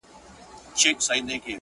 خو دې زما د مرگ د اوازې پر بنسټ.